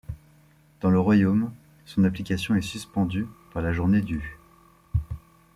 Dans le royaume, son application est suspendue par la journée du.